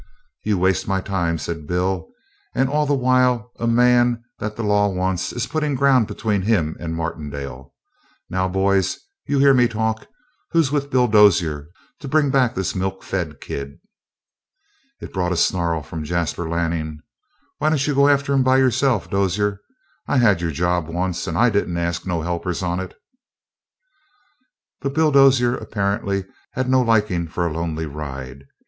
"You waste my time," said Bill, "and all the while a man that the law wants is puttin' ground between him and Martindale. Now, boys, you hear me talk. Who's with Bill Dozier to bring back this milk fed kid?" It brought a snarl from Jasper Lanning. "Why don't you go after him by yourself, Dozier? I had your job once and I didn't ask no helpers on it." But Bill Dozier apparently had no liking for a lonely ride.